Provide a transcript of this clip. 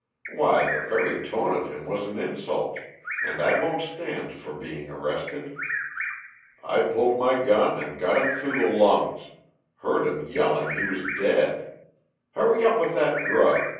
Why, the very tone of him was an insult and I won't stand for being arrested I pulled my gun and got him through the lungs heard 'em yelling he was dead Hurry up with that grub!